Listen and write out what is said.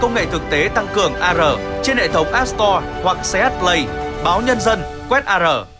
bước năm công nghệ thực tế tăng cường ar trên hệ thống app store hoặc ch play báo nhân dân quét ar